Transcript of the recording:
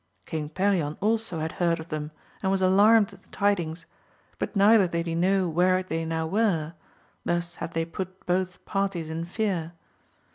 King Perion also AMADIS OF GAUL. 173 had heard of them, and was alarmed at the tidings, but neither did he know where they now were : thus had they put both parties in fear.